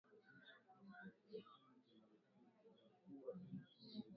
Ugonjwa wa mapele ya ngozi kwa ngombe